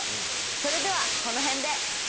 それではこの辺で！